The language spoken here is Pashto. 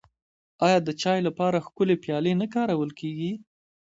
آیا د چای لپاره ښکلې پیالې نه کارول کیږي؟